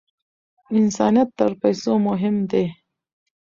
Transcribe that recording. انسانیت تر پیسو مهم دی.